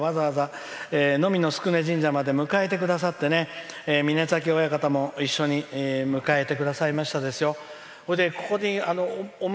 芝田山親方がわざわざ神社まで迎えてくださって峰崎親方一緒に迎えてくださいましたですよ。